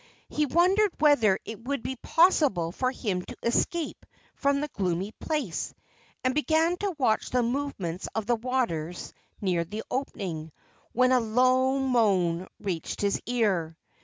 He wondered whether it would be possible for him to escape from the gloomy place, and began to watch the movements of the waters near the opening, when a low moan reached his ear.